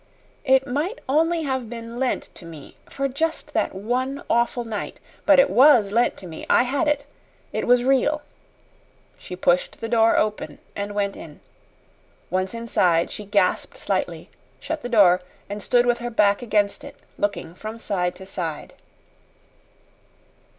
"It might only have been lent to me for just that one awful night. But it WAS lent to me I had it. It was real." She pushed the door open and went in. Once inside, she gasped slightly, shut the door, and stood with her back against it looking from side to side.